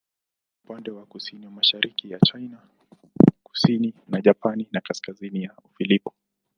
Iko upande wa kusini-mashariki ya China, kusini ya Japani na kaskazini ya Ufilipino.